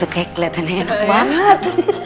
oke kelihatannya enak banget